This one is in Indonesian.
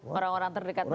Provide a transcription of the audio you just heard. orang orang terdekat mereka